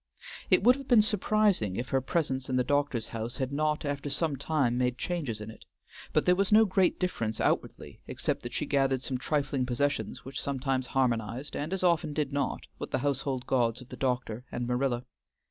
It would have been surprising if her presence in the doctor's house had not after some time made changes in it, but there was no great difference outwardly except that she gathered some trifling possessions which sometimes harmonized, and as often did not, with the household gods of the doctor and Marilla.